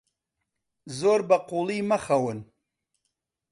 زۆر بەقووڵی مەخەون.